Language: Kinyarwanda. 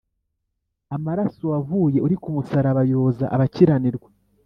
Amaraso wavuye uri kumusaraba yoza abakiranirwa